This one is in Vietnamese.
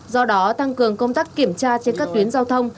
do đó tăng cường công tác kiểm tra trên các tuyến giao thông